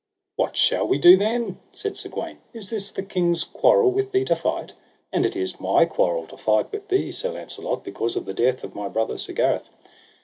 What shall we do then? said Sir Gawaine, [N]is this the king's quarrel with thee to fight? and it is my quarrel to fight with thee, Sir Launcelot, because of the death of my brother Sir Gareth.